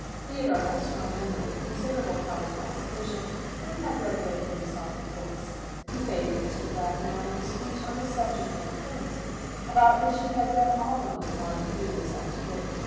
Theodore had a strong memory, considerable powers of application, and had read a great many solid books. He favoured Mr. Bragg now with a speech on the subject of the currency, about which he had read all the most modern theories up to date.